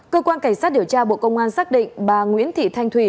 cơ quan cảnh sát điều tra bộ công an xác định bà nguyễn thị thanh thùy